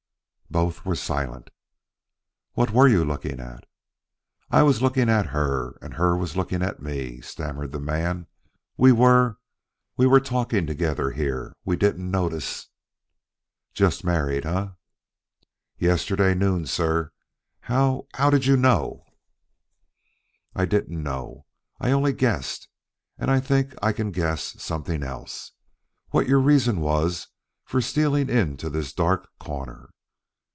Both were silent. "What were you looking at?" "I was looking at her, and her was looking at me," stammered the man. "We were were talking together here we didn't notice " "Just married, eh?" "Yesterday noon, sir. How how did you know?" "I didn't know; I only guessed. And I think I can guess something else what your reason was for stealing into this dark corner."